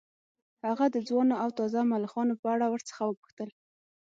هغه د ځوانو او تازه ملخانو په اړه ورڅخه وپوښتل